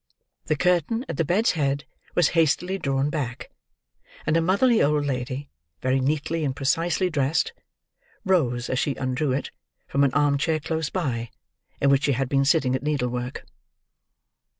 The curtain at the bed's head was hastily drawn back, and a motherly old lady, very neatly and precisely dressed, rose as she undrew it, from an arm chair close by, in which she had been sitting at needle work.